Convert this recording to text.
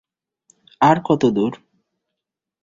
আর কত দূর?